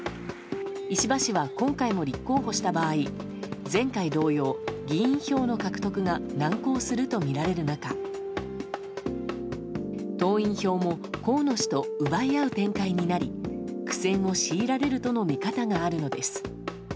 石破氏は今回も立候補した場合前回同様議員票の獲得が難航するとみられる中党員票も河野氏と奪い合う展開になり苦戦を強いられるとの見方があるのです。